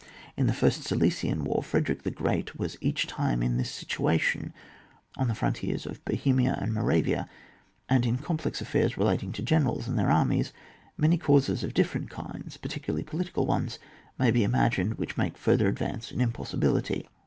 In the flrst Silesian war, Frede rick the Great was each time in this situation, on the frontiers of Bohemia and Moravia, and in the complex aflairs relating to generals and their armies, many causes of diflerent kinds, particu larly political ones, may be imagined, which make further advance an impos sibility.